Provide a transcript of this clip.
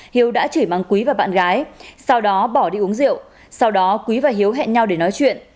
hiếu đã chửi mắng quý và bạn gái sau đó bỏ đi uống rượu sau đó quý và hiếu hẹn nhau để nói chuyện